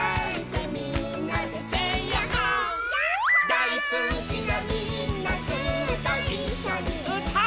「だいすきなみんなずっといっしょにうたおう」